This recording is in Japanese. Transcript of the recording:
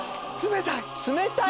冷たい。